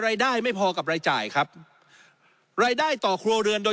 ไม่พอกับรายจ่ายครับรายได้ต่อครัวเรือนโดย